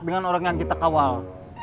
dengan orang yang kita kawal